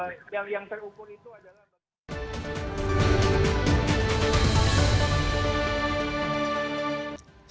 yang terukur itu adalah